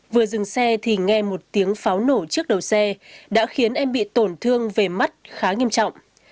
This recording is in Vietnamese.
vừa dừng xe thì nghe một tiếng pháo nổ trước đầu xe đã khiến em bị tổn thương về mắt khá nghiêm trọng